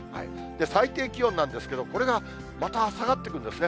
最低気温なんですけど、これがまた下がってくるんですね。